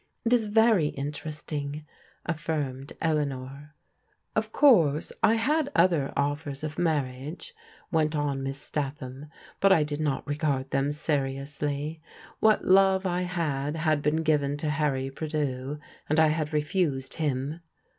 It is very interesting," affirmed Eleanor, Of course, I had other offers of marriage/' went on Miss Statham, "but I did not regard them seriously. What love I had had been given to Harry Prideaux, and I had refused him."